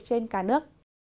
trên cả nước